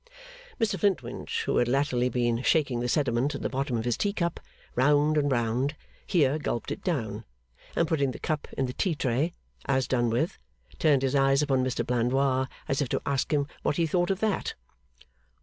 Mr Flintwinch, who had latterly been shaking the sediment at the bottom of his tea cup, round and round, here gulped it down, and putting the cup in the tea tray, as done with, turned his eyes upon Mr Blandois as if to ask him what he thought of that?